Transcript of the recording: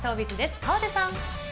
河出さん。